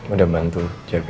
udah bantu jaga